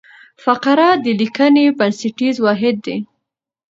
فقره د لیکني بنسټیز واحد دئ.